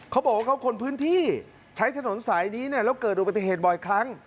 เขาบอกว่าเขาคนพื้นที่ใช้ถนนสายนี้เนี่ยแล้วเกิดอุบัติเหตุบ่อยครั้ง